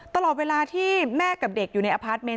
ตลอดเวลาที่แม่กับเด็กอยู่ในอพาร์ทเมนต